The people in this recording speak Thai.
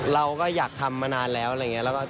เราก็อยากทำมานานแล้วอะไรอย่างนี้